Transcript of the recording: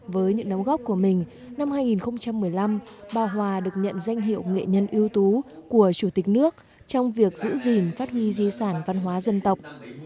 với những nấu gốc của mình năm hai nghìn một mươi năm bà hòa được nhận danh hiệu nghệ nhân ưu tú của chủ tịch nước trong việc giữ gìn phát huy di sản văn hóa dân tộc